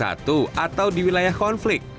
atau di wilayah konflik